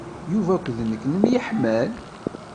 Yuba akked nekk nemyeḥmal.